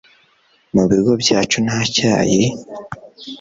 Mu bigo byacu nta cyayi